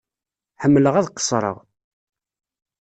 Ḥemmleɣ ad qessreɣ.